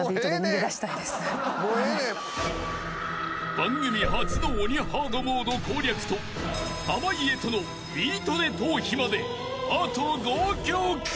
［番組初の鬼ハードモード攻略と濱家との『ビートＤＥトーヒ』まであと５曲］